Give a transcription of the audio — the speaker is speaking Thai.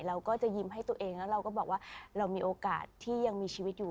เราก็จะยิ้มให้ตัวเองแล้วเราก็บอกว่าเรามีโอกาสที่ยังมีชีวิตอยู่